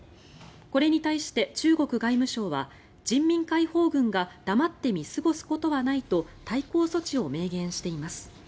これに対して、中国外務省は人民解放軍が黙って見過ごすことはないと対抗措置を明言しています。